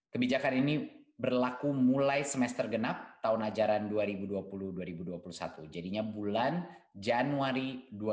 kebijakan ini berlaku mulai semester genap tahun ajaran dua ribu dua puluh dua ribu dua puluh satu jadinya bulan januari dua ribu dua puluh